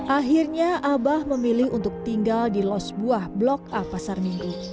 akhirnya abah memilih untuk tinggal di los buah blok a pasar minggu